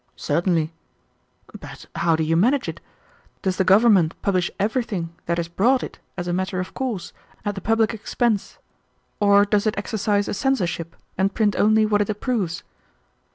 "Certainly." "But how do you manage it? Does the government publish everything that is brought it as a matter of course, at the public expense, or does it exercise a censorship and print only what it approves?"